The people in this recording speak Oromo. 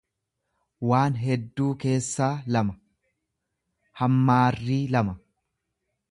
waan hedduu keessaa lama, hammaarrii lama.